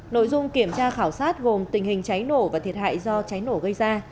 nội dung kiểm tra khảo sát gồm tình hình cháy nổ và thiệt hại do cháy nổ gây ra